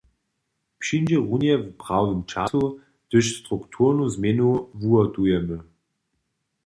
Přińdźe runje w prawym času, hdyž strukturnu změnu wuhotujemy.